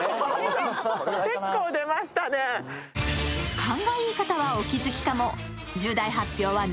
勘がいい方はお気づきかも。